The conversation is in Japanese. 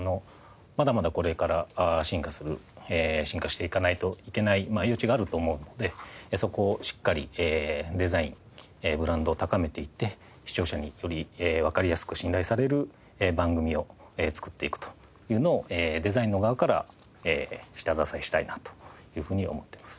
まだまだこれから進化する進化していかないといけない余地があると思うのでそこをしっかりデザイン・ブランドを高めていって視聴者によりわかりやすく信頼される番組を作っていくというのをデザインの側から下支えしたいなというふうに思ってます。